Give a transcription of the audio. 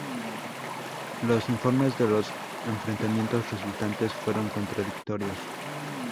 Los informes de los enfrentamientos resultantes fueron contradictorios.